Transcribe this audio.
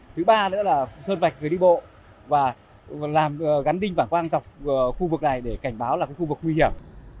thứ ba nữa là sơn vạch người đi bộ và làm gắn đinh vảng quang dọc khu vực này để cảnh báo là khu vực nguy hiểm